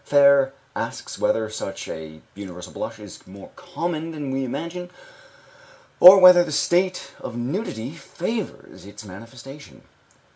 Féré asks whether such a universal blush is more common than we imagine, or whether the state of nudity favors its manifestation.